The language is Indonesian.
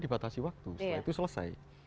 dibatasi waktu setelah itu selesai